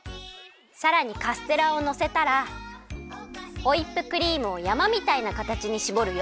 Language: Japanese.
さらにカステラをのせたらホイップクリームをやまみたいなかたちにしぼるよ。